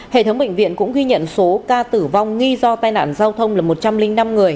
hệ thống bệnh viện cũng ghi nhận số ca tử vong nghi do tai nạn giao thông là một trăm linh năm người